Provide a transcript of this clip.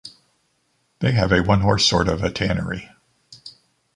They have a one-horse sort of a tannery.